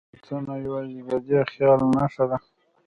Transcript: ساعتونه یوازې د دې خیال نښه ده.